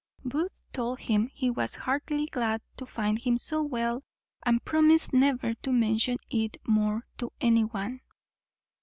Booth told him he was heartily glad to find him so well, and promised never to mention it more to any one.